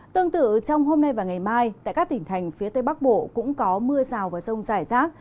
tương tự trong hôm nay và ngày mai tại các tỉnh thành phía tây bắc bộ cũng có mưa rào và rông rải rác